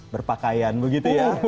berpakaian begitu ya